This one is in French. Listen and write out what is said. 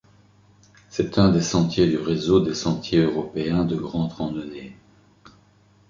C'est un des sentiers du réseau des sentiers européens de grande randonnée.